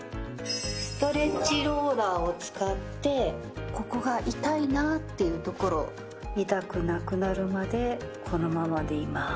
ストレッチローラーを使ってここが痛いなっていう所痛くなくなるまでこのままでいます。